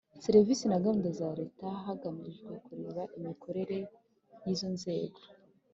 serivisi na gahunda za leta hagamijwe kureba imikorere y’izo nzego